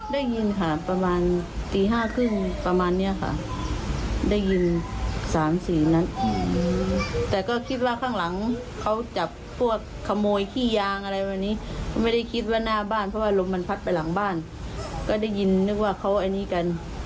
ได้ยินค่ะประมาณตีห้าครึ่งประมาณเนี้ยค่ะได้ยินสามสี่นัดแต่ก็คิดว่าข้างหลังเขาจับพวกขโมยขี้ยางอะไรแบบนี้ก็ไม่ได้คิดว่าหน้าบ้านเพราะว่าลมมันพัดไปหลังบ้านก็ได้ยินนึกว่าเขาอันนี้กัน